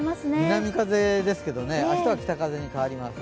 南風ですけどね明日は北風に変わります。